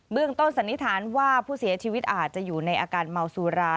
ต้นสันนิษฐานว่าผู้เสียชีวิตอาจจะอยู่ในอาการเมาสุรา